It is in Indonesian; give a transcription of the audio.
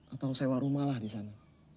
atau sewa rumah lah di sana